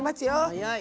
早い。